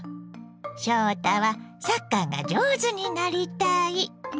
翔太はサッカーが上手になりたい。